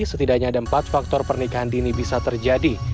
setidaknya ada empat faktor pernikahan dini bisa terjadi